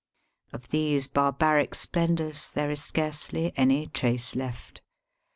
Of these barbaric splendours there is scarcely any trace left.